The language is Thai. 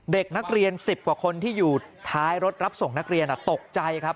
เด็กนักเรียน๑๐กว่าคนที่อยู่ท้ายรถรับส่งนักเรียนตกใจครับ